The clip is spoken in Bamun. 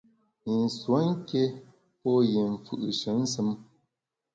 I nsuo nké pô yi mfù’she nsùm.